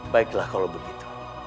baiklah kalau begitu